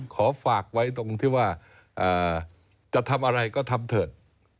ขอฝากไว้ตรงที่ว่าจะทำอะไรก็ทำเถอะ